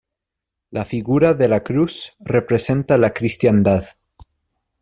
La figura de la Cruz representa la cristiandad.